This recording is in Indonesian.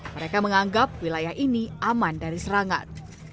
mereka menganggap wilayah ini aman dari serangan